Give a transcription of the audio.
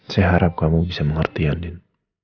saya harap kamu bisa mengerti aldin